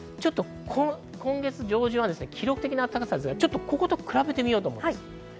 今月上旬は記録的な暖かさなので、ここと比べてみようと思います。